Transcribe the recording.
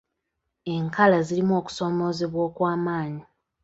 Enkala zirimu okusoomoozebwa kwa maanyi.